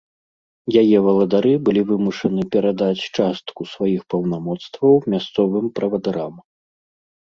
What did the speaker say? Яе валадары былі вымушаны перадаць частку сваіх паўнамоцтваў мясцовым правадырам.